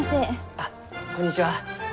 あこんにちは。